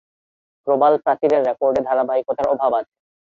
প্রবাল প্রাচীরের রেকর্ডে ধারাবাহিকতার অভাব আছে।